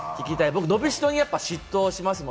僕、伸びしろに嫉妬しますもん。